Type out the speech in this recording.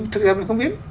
thực ra mình không biết